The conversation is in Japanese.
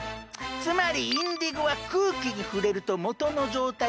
つまりインディゴは空気に触れると元の状態